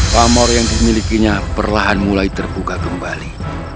pamor yang dimilikinya perlahan mulai terbuka kembali